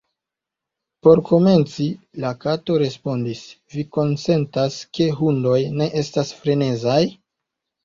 "Por komenci," la Kato respondis, "vi konsentas ke hundoj ne estas frenezaj?"